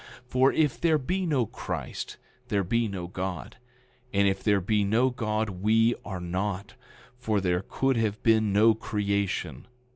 11:7 For if there be no Christ there be no God; and if there be no God we are not, for there could have been no creation.